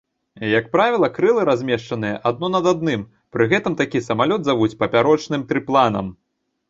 Як правіла, крылы размешчаныя адно над адным, пры гэтым такі самалёт завуць папярочным трыпланам.